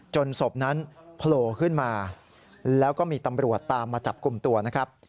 ศพนั้นโผล่ขึ้นมาแล้วก็มีตำรวจตามมาจับกลุ่มตัวนะครับ